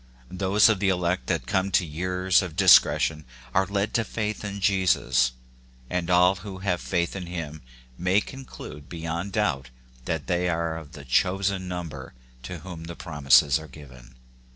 Those of the elect that come to years of discretion are led to faith in Jesus; and all who have faith in him may conclude beyond doubt that they are of the chosen number to whom the prom ises are given.